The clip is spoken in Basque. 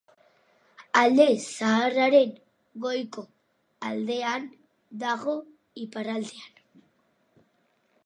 Alde Zaharraren goiko aldean dago, iparraldean.